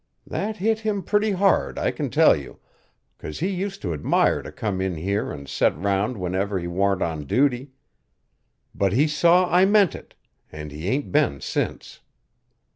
That hit him pretty hard, I can tell you, 'cause he used to admire to come in here an' set round whenever he warn't on duty. But he saw I meant it, an' he ain't been since."